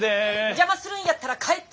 邪魔するんやったら帰って。